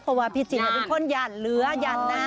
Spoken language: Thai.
เพราะว่าพี่จินเป็นคนหยั่นเหลือยันหน้า